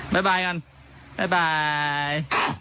บ๊ายบายกันบ๊ายบาย